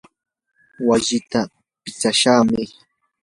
wasiita pitsashaqmi.